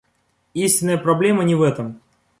Истинная проблема не в этом.